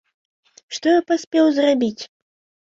Што я паспеў зрабіць?